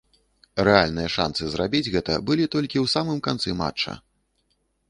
Рэальныя шанцы зрабіць гэта былі толькі ў самым канцы матча.